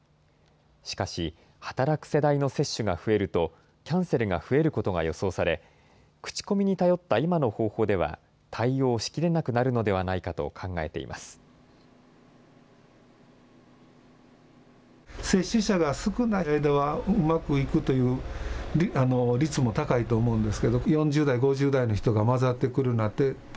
しかし、働く世代の接種が増えると、キャンセルが増えることが予想され、口コミに頼った今の方法では、対応しきれなくなるのではないかと考えています。